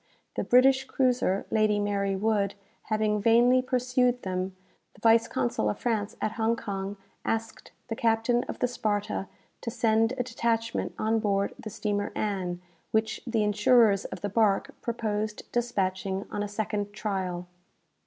The British cruiser 'Lady Mary Wood,' having vainly pursued them, the vice consul of France at Hong Kong asked the captain of the 'Sparta,' to send a detachment on board the steamer 'Ann,' which the insurers of the bark proposed despatching on a second trial.